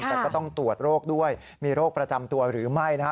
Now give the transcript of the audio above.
แต่ก็ต้องตรวจโรคด้วยมีโรคประจำตัวหรือไม่นะฮะ